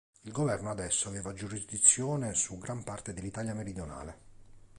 Il governo adesso aveva giurisdizione su gran parte dell'Italia meridionale.